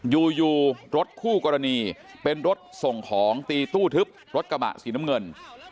อยู่รถคู่กรณีเป็นรถส่งของตีตู้ทึบรถกระบะสีน้ำเงิน